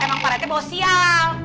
emang pak rette bawa sial